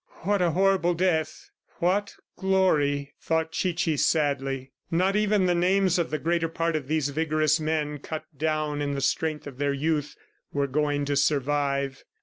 "What a horrible death! ... What glory!" thought Chichi sadly. Not even the names of the greater part of these vigorous men cut down in the strength of their youth were going to survive!